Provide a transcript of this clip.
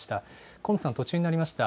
高野さん、途中になりました。